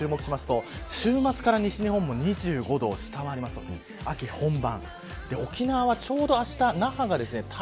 最高気温に注目しますと週末から西日本も２５度を下回ります、秋本番。